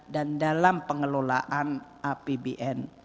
dan dalam pengelolaan apbn